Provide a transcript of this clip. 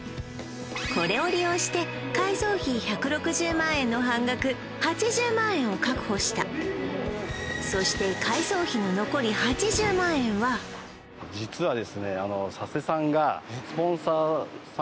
これを利用して改装費１６０万円の半額８０万円を確保したそして改装費の実はですね